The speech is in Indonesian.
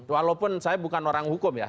walaupun saya bukan orang hukum ya